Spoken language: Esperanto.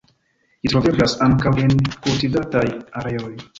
Ĝi troveblas ankaŭ en kultivataj areoj.